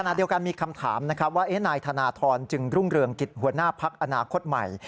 ขณะเดียวกันมีคำถามนะครับว่านายธนทรจึงรุ่งเรืองกิจหัวหน้าพักอนาคตใหม่